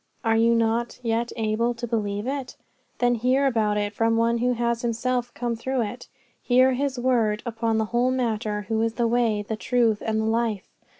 Are you not yet able to believe it? Then hear about it from One who has Himself come through it. Hear His word upon the whole matter who is the Way, the Truth, and the Life.